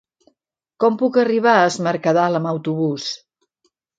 Com puc arribar a Es Mercadal amb autobús?